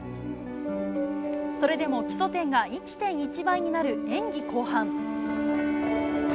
それでも基礎点が１．１倍になる演技後半。